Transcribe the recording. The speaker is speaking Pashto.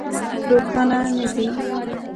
روښانه نه دي.